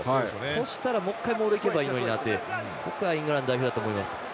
そしたら、もう１回モールいけばいいのになってここからがイングランド代表だと思います。